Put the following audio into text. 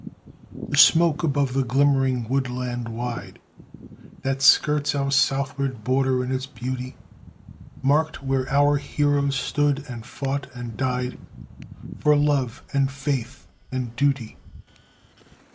The smoke, above the glimmering woodland wide That skirts our southward border in its beauty, Marked where our heroes stood and fought and died For love and faith and duty.